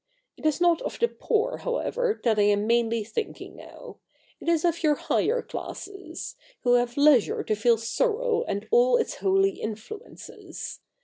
It is not of the poor, however, that I am mainly thinking now. It is of your higher classes, who .have' leisure to feel sorrow and all its holy influences.